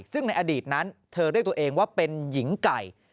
ซึ่งในอดีตนั้นเธอเรียกตัวเองว่าเป็นหญิงไก่